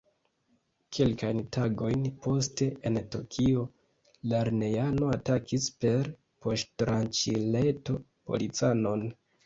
Kelkajn tagojn poste, en Tokio, lernejano atakis per poŝtranĉileto policanon.